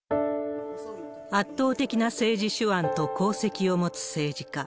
圧倒的な政治手腕と功績を持つ政治家。